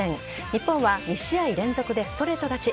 日本は２試合連続でストレート勝ち。